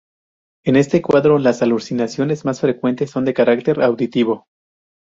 En este cuadro las alucinaciones más frecuentes son de carácter auditivo.